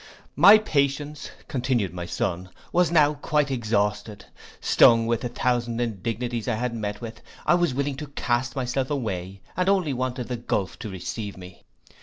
'My patience,' continued my son, 'was now quite exhausted: stung with the thousand indignities I had met with, I was willing to cast myself away, and only wanted the gulph to receive me.